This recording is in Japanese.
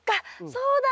そうだ！